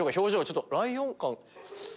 ちょっとライオン感。